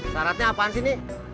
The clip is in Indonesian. saratnya apaan sih nih